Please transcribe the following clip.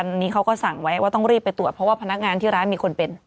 อันนี้เขาก็สั่งไว้ว่าต้องรีบไปตรวจเพราะว่าพนักงานที่ร้านมีคนเป็น